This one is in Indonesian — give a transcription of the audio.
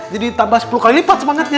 jadi tambah sepuluh kali lipat semangatnya